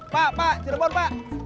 pak pak cirebon pak